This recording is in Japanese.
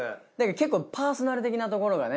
結構パーソナル的なところがね